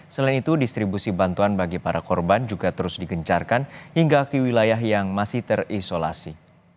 selain itu distribusi bantuan bagi para korban juga terus digencarkan hingga ke wilayah yang masih terisolasi